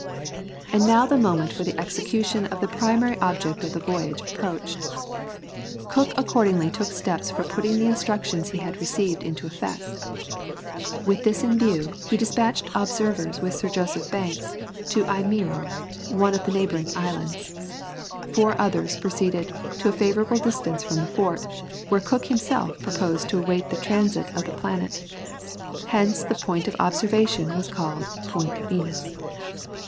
And now the moment for the execution of the primary object of the voyage approached. Cook accordingly took steps for putting the instructions he had received into effect. With this view, he despatched observers with Sir Joseph Banks to Eimeo, one of the neighbouring isles. Four others proceeded to a favourable distance from the fort, where Cook himself proposed to await the transit of the planet. Hence the point of observation was called Point Venus.